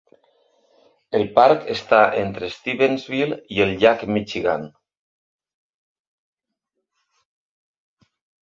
El parc està entre Stevensville i el llac Michigan.